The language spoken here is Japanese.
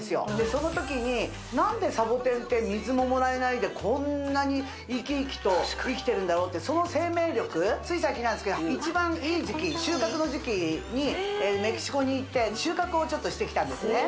その時に何でサボテンって水ももらえないでこんなに生き生きと生きてるんだろうってその生命力つい最近なんですけど一番いい時期収穫の時期にメキシコに行って収穫をしてきたんですね